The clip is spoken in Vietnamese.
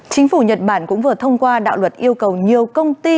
chính phủ nhật bản cũng vừa thông qua đạo luật yêu cầu nhiều công ty